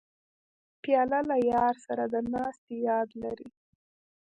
پیاله له یار سره د ناستې یاد لري.